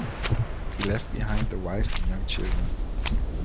He left behind a wife and young children.